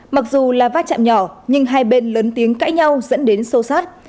mặc dù là va chạm nhỏ nhưng hai bên lớn tiếng cãi nhau dẫn đến sâu sát